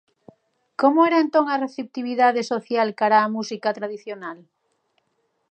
Como era entón a receptividade social cara á música tradicional?